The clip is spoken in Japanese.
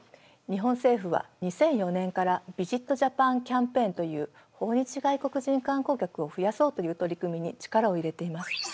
日本政府は２００４年からビジット・ジャパン・キャンペーンという訪日外国人観光客を増やそうという取り組みに力を入れています。